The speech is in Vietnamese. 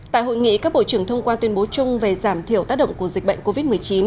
tại hội nghị các bộ trưởng thông qua tuyên bố chung về giảm thiểu tác động của dịch bệnh covid một mươi chín